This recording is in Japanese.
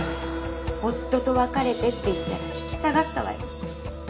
夫と別れてって言ったら引き下がったわよ